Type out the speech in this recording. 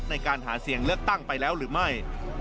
ในการหาเสียงเลือกตั้งไปแล้วหรือไม่